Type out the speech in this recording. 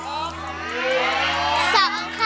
ค่ะ